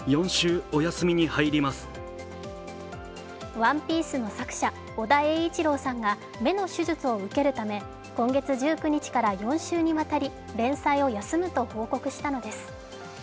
「ＯＮＥＰＩＥＣＥ」の作者尾田栄一郎さんが目の手術を受けるため今月１９日から４週にわたり連載を休むと報告したのです。